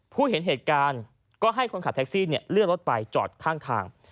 เห็นเหตุการณ์ก็ให้คนขับแท็กซี่เลื่อนรถไปจอดข้างทาง